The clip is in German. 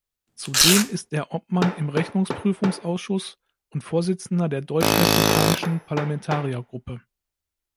Zudem ist er Obmann im Rechnungsprüfungsausschuss und Vorsitzender der deutsch-mexikanischen Parlamentariergruppe.